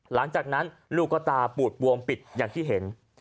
หลังจากนั้นลูกก็ตาปูดบวมปิดอย่างที่เห็น